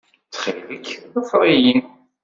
Ttxil-k, ḍfer-iyi.